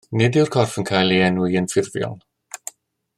Nid yw'r corff wedi cael ei enwi yn ffurfiol.